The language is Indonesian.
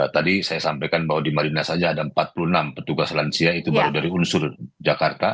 tadi saya sampaikan bahwa di madinah saja ada empat puluh enam petugas lansia itu baru dari unsur jakarta